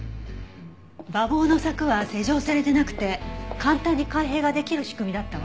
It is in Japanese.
馬房の柵は施錠されてなくて簡単に開閉ができる仕組みだったわ。